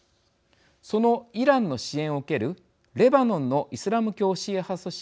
そのイランの支援を受けるレバノンのイスラム教シーア派組織